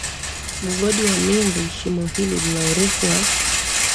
Mgodi wa Mirny Shimo hili lina urefu wa